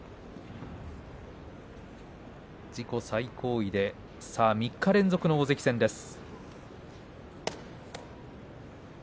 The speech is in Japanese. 自己最高位で３日連続の大関戦です。